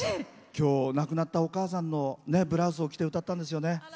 今日亡くなったお母さんのブラウスを着て歌ったんですよね。